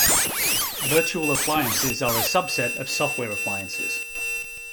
Virtual appliances are a subset of software appliances.